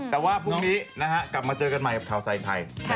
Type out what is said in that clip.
แต่ว่าพรุ่งนี้นะฮะกลับมาเจอกันใหม่กับข่าวใส่ไข่